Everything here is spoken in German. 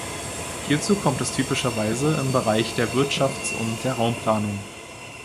Hierzu kommt es typischerweise im Bereich der Wirtschafts- und der Raumplanung.